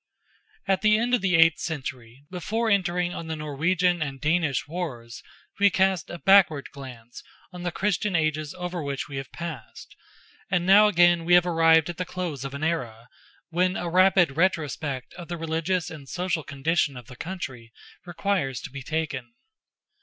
At the end of the eighth century, before entering on the Norwegian and Danish wars, we cast a backward glance on the Christian ages over which we had passed; and now again we have arrived at the close of an era, when a rapid retrospect of the religious and social condition of the country requires to be taken.